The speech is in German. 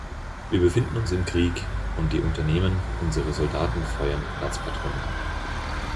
Wir befinden uns im Krieg, und die Unternehmen unsere Soldaten feuern Platzpatronen ab.